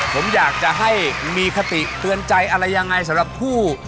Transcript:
ผมอยากจะให้มีคติเตือนใจอะไรยังไงสำหรับผู้